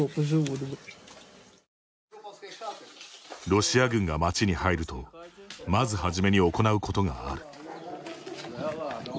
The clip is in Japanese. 「ロシア軍が町に入るとまず初めに行うことがある」